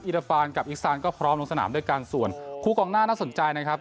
ราฟานกับอิซานก็พร้อมลงสนามด้วยกันส่วนคู่กองหน้าน่าสนใจนะครับ